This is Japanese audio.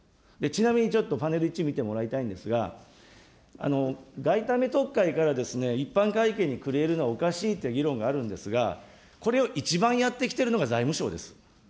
ちなみにちょっとパネル１見てもらいたいんですが、外為特会から一般会計にくれるのはおかしいという議論があるんですが、これを一番やってきているのが財務省です。